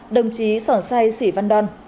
đồng chí sởn say sĩ văn đoan